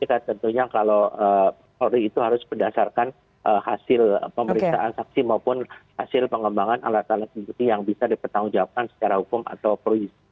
kita tentunya kalau ori itu harus berdasarkan hasil pemerintahan saksi maupun hasil pengembangan alat alat yang bisa dipertanggungjawabkan secara hukum atau proyeksi